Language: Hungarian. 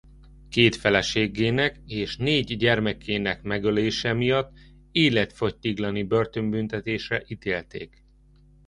Két feleségének és négy gyermekének megölése miatt életfogytiglani börtönbüntetésre ítélték.